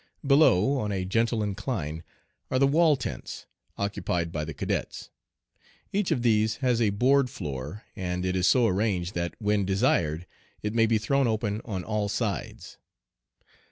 Below, on a gentle incline, are the wall tents, occupied by the cadets. Each of these has a board floor, and it is so arranged that when desired it may be thrown open on all sides.